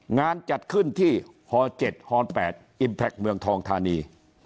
งานจัดขึ้นที่ฮ๗ฮ๘อิมแพคเมืองทองทานี